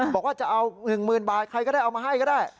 บอกว่าจะเอา๑๐๐๐บาทใครก็ได้เอามาให้ก็ได้